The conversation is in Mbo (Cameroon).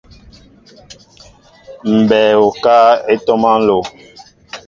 Mɓɛɛ ekáá e ntoma nló.